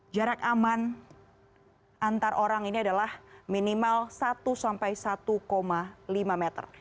jarak aman antar orang ini adalah minimal satu sampai satu lima meter